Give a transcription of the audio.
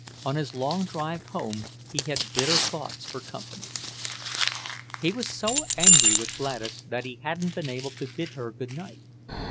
On his long drive home he had bitter thoughts for company. He was so angry with Gladys that he hadn't been able to bid her good night.